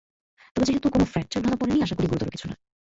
তবে যেহেতু কোনো ফ্র্যাকচার ধরা পড়েনি, আশা করি গুরুতর কিছু না।